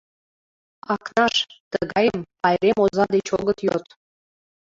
— Акнаш, тыгайым пайрем оза деч огыт йод.